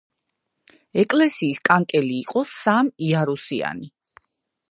ეკლესიის კანკელი იყო სამიარუსიანი.